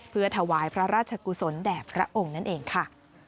เพื่อถวายพระราชกุศลแด่พระองค์นั่นเองค่ะ